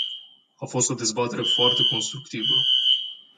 A fost o dezbatere foarte constructivă.